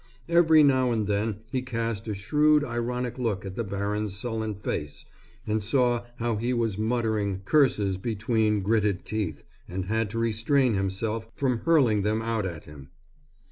Every now and then he cast a shrewd, ironic look at the baron's sullen face and saw how he was muttering curses between gritted teeth and had to restrain himself from hurling them out at him.